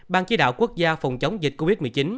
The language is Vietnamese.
ban chỉ đạo quốc gia phòng chống dịch covid một mươi chín